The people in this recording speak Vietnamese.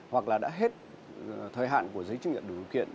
hoặc là đã hết thời hạn của giấy chứng nhận đủ điều kiện